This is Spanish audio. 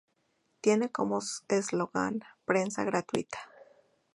Tiene como eslogan "Prensa gratuita".